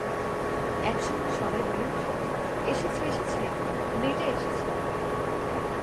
একসঙ্গে সবাই বলে উঠল, এসেছে, এসেছে, মেয়েটা এসেছে।